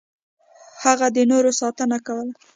هغه د نورو ساتنه کوله.